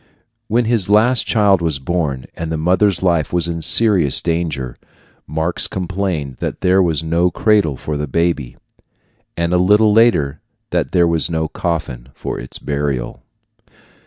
When his last child was born, and the mother's life was in serious danger, Marx complained that there was no cradle for the baby, and a little later that there was no coffin for its burial.